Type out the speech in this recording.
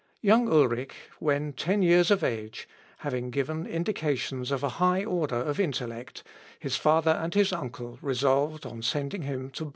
Young Ulric, when ten years of age, having given indications of a high order of intellect, his father and his uncle resolved on sending him to Bâle.